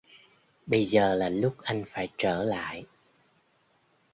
Bây giờ là lúc anh phải trở lại